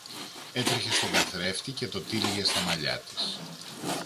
έτρεχε στον καθρέφτη και το τύλιγε στα μαλλιά της.